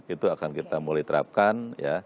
itu akan kita mulai terapkan